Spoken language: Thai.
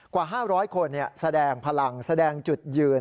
กว่า๕๐๐คนแสดงพลังแสดงจุดยืน